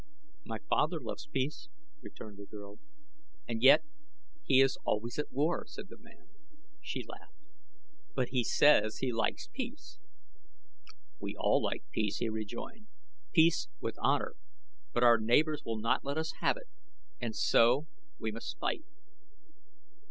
"My father loves peace," returned the girl. "And yet he is always at war," said the man. She laughed. "But he says he likes peace." "We all like peace," he rejoined; "peace with honor; but our neighbors will not let us have it, and so we must fight."